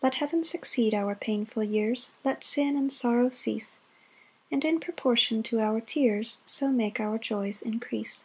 2 Let heaven succeed our painful years, Let sin and sorrow cease, And in proportion to our tears So make our joys increase.